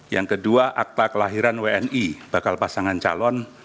yang kedua akta kelahiran wni bakal pasangan calon